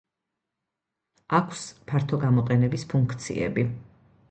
აქვს ფართო გამოყენების ფუნქციები.